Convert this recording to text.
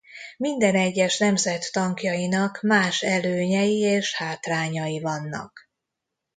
Minden egyes nemzet tankjainak más előnyei és hátrányai vannak.